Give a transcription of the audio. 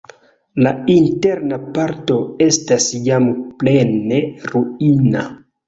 La interna parto estas jam plene ruina.